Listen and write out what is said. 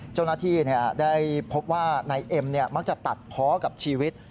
จวนาธิได้พบว่าที่นายเอ็มมักจะตัดพ้อกับชีวิต